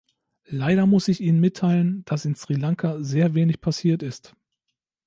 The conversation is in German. Leider muss ich Ihnen mitteilen, dass in Sri Lanka sehr wenig passiert ist.